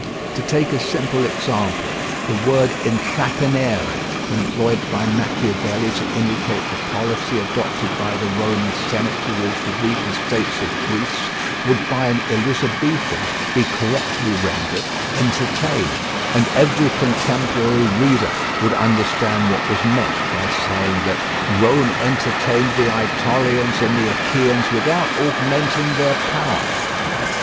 To take a single example: the word intrattenere, employed by Machiavelli to indicate the policy adopted by the Roman Senate towards the weaker states of Greece, would by an Elizabethan be correctly rendered "entertain," and every contemporary reader would understand what was meant by saying that "Rome entertained the Ætolians and the Achaeans without augmenting their power."